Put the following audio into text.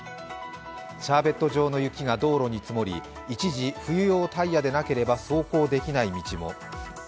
シャーベット状の雪が道路に積もり、一時、冬用タイヤでなければ走行できない道も。